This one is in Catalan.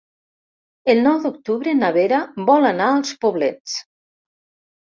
El nou d'octubre na Vera vol anar als Poblets.